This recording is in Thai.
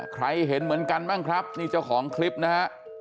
เห็นเหมือนกันบ้างครับนี่เจ้าของคลิปนะฮะ